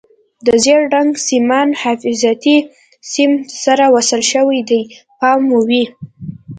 د زیړ رنګ سیمان حفاظتي سیم سره وصل شوي دي پام مو وي.